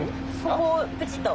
ここをカチッと。